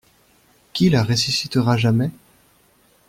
Qui la ressuscitera jamais?